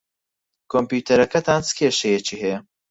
کۆمپیوتەرەکەتان چ کێشەیەکی ھەیە؟